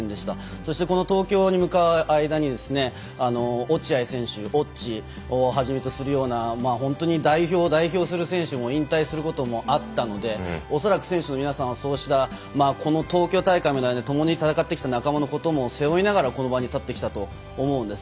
そしてこの東京に向かう間に落合選手おっちいを初めとするような本当に代表を代表する選手も引退することもあったので恐らく選手の皆さんはそうしたこの東京大会までの間にともに戦ってきた仲間のことも背負いながらこの場に立ってきたと思うんです。